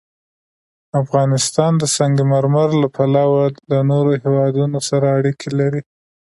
افغانستان د سنگ مرمر له پلوه له نورو هېوادونو سره اړیکې لري.